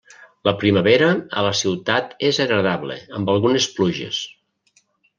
La primavera a la ciutat és agradable, amb algunes pluges.